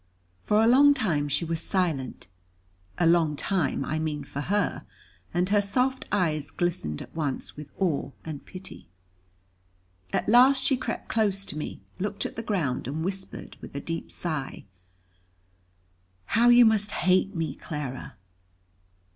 For a long time she was silent, a long time I mean for her; and her soft eyes glistened at once with awe and pity. At last, she crept close to me, looked at the ground, and whispered with a deep sigh: "How you must hate me, Clara."